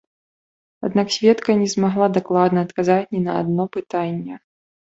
Аднак сведка не змагла дакладна адказаць ні на адно пытанне.